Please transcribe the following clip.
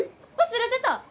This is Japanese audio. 忘れてた！